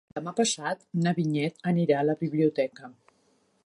Demà passat na Vinyet anirà a la biblioteca.